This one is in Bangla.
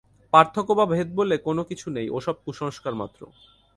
পার্থক্য বা ভেদ বলে কোন কিছু নেই, ও-সব কুসংস্কারমাত্র।